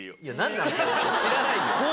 いや何なの。